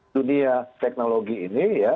dunia teknologi ini ya